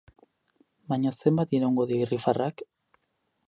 Baina zenbat iraungo die irrifarrak?